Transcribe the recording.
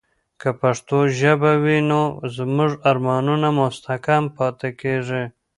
که پښتو ژبه وي، نو زموږ ارمانونه مستحکم پاتې کیږي.